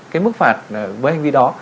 cái mức phạt với hành vi đó